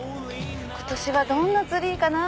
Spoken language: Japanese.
今年はどんなツリーかな？